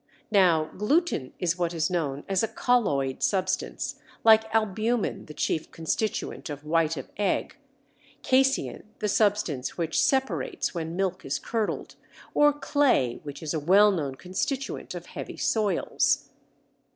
Now gluten is what is known as a colloid substance, like albumen the chief constituent of white of egg, casein the substance which separates when milk is curdled, or clay which is a well known constituent of heavy soils.